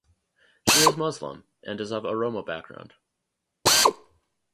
She is Muslim, and is of Oromo background.